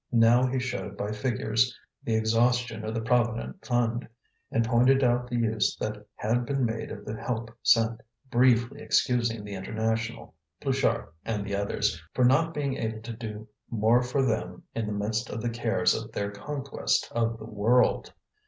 Now he showed by figures the exhaustion of the Provident Fund, and pointed out the use that had been made of the help sent, briefly excusing the International, Pluchart and the others, for not being able to do more for them in the midst of the cares of their conquest of the world.